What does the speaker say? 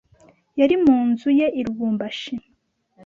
Yari mu nzu ye i Lubumbashi